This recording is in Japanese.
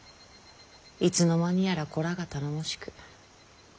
いつの間にやら子らが頼もしく。